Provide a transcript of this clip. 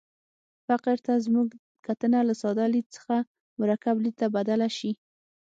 فقر ته زموږ کتنه له ساده لید څخه مرکب لید ته بدله شي.